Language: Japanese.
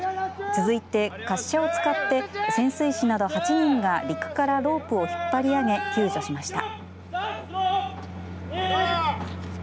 続いて滑車を使って潜水士など８人が陸からロープを引っ張り上げ救助しました。